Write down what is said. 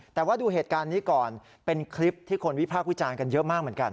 แต่ว่าดูเหตุการณ์นี้ก่อนเป็นคลิปที่คนวิพากษ์วิจารณ์กันเยอะมากเหมือนกัน